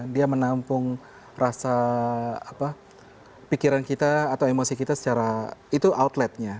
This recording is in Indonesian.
dia menampung pikiran kita atau emosi kita secara outletnya